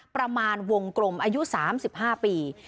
ประมาณวงกลมอายุ๓๕ปี